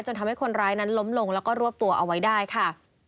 ทำให้คนร้ายนั้นล้มลงแล้วก็รวบตัวเอาไว้ได้ค่ะ